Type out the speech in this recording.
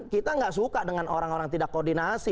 kita nggak suka dengan orang orang tidak koordinasi